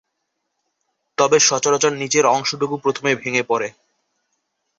তবে সচরাচর নিচের অংশটুকু প্রথমে ভেঙ্গে পড়ে।